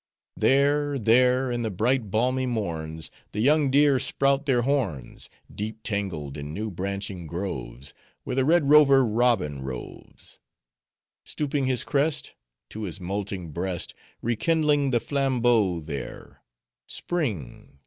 There, there! in the bright, balmy morns, The young deer sprout their horns, Deep tangled in new branching groves, Where the Red Rover Robin roves,— Stooping his crest, To his molting breast— Rekindling the flambeau there! Spring!